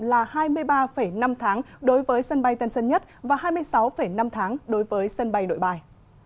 là hai mươi ba năm tháng đối với sân bay tân sơn nhất và hai mươi sáu năm tháng đối với sân bay nội bài